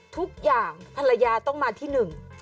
ทุกอย่างภรรยาต้องมาที่หนึ่ง